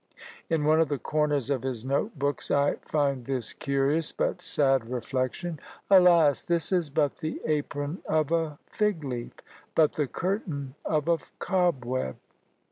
In one of the corners of his note books I find this curious but sad reflection: Alas! this is but the apron of a fig leaf but the curtain of a cobweb.